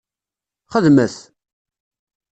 Xedmet!